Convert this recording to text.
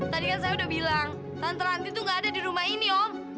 tadi kan saya udah bilang tante anti tuh gak ada di rumah ini om